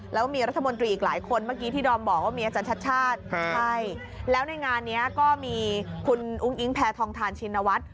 แล้วมีรัฐมนตรีอีกหลายคนเมื่อกี้ที่ดอมบอกว่ามีอาจารย์ชัดชาติใช่แล้วในงานนี้ก็มีคุณอุ้งอิงแพทองทานชินวัฒน์